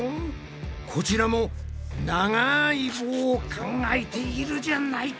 こちらも長い棒を考えているじゃないか！